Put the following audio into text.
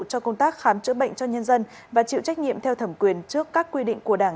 cho công tác khám chữa bệnh cho nhân dân và chịu trách nhiệm theo thẩm quyền trước các quy định của đảng